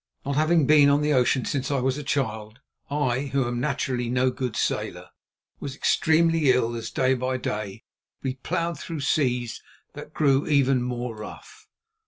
Not having been on the ocean since I was a child, I, who am naturally no good sailor, was extremely ill as day by day we ploughed through seas that grew ever more rough.